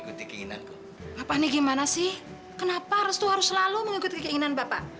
bapak ini gimana sih kenapa restu harus selalu mengikuti keinginan bapak